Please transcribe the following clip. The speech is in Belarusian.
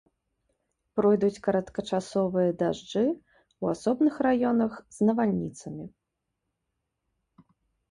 Пройдуць кароткачасовыя дажджы, у асобных раёнах з навальніцамі.